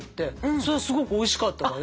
それすごくおいしかったわよ。